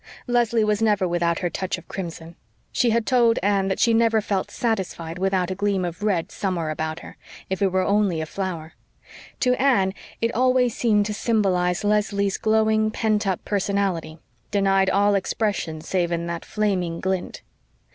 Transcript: Leslie was never without her touch of crimson. She had told Anne that she never felt satisfied without a gleam of red somewhere about her, if it were only a flower. To Anne, it always seemed to symbolise Leslie's glowing, pent up personality, denied all expression save in that flaming glint.